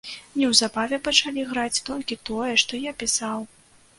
Неўзабаве пачалі граць толькі тое, што я пісаў.